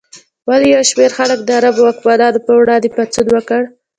ولې یو شمېر خلکو د عربو واکمنانو پر وړاندې پاڅون وکړ؟